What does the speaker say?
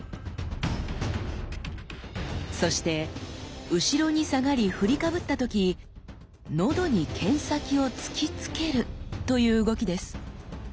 そして後ろに下がり振りかぶった時喉に剣先をつきつけるという動きです。